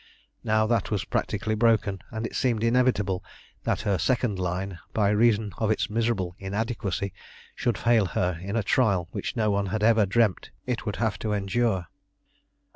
Now that was practically broken, and it seemed inevitable that her second line, by reason of its miserable inadequacy, should fail her in a trial which no one had ever dreamt it would have to endure.